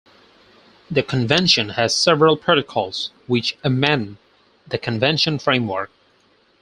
The Convention has several protocols, which amend the convention framework.